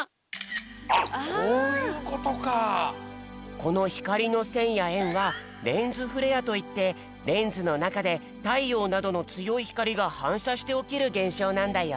このひかりのせんやえんはレンズフレアといってレンズのなかでたいようなどのつよいひかりがはんしゃしておきるげんしょうなんだよ。